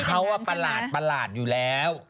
เขาประหลาดอยู่แล้ว